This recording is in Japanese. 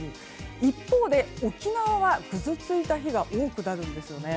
一方で沖縄はぐずついた日が多くなるんですよね。